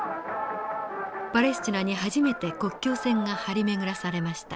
パレスチナに初めて国境線が張り巡らされました。